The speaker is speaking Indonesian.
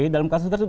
dalam kasus tersebut